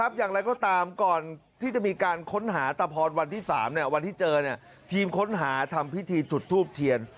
อย่างไรก็ตามก่อนที่จะมีการค้นหาตะพรวันที่๓วันที่เจอทีมค้นหาทำพิธีจุดทูบเทียน